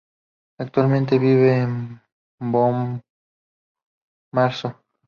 Actualmente vive en Bomarzo.